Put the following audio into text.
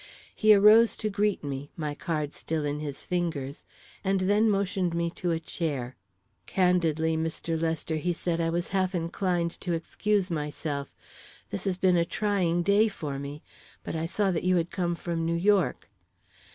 He arose to greet me, my card still in his fingers, and then motioned me to a chair. "Candidly, Mr. Lester," he said, "I was half inclined to excuse myself. This has been a trying day for me. But I saw that you had come from New York."